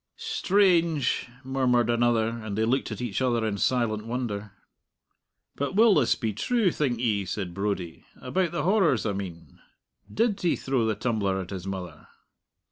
"Strange!" murmured another; and they looked at each other in silent wonder. "But will this be true, think ye?" said Brodie "about the horrors, I mean. Did he throw the tumbler at his mother?"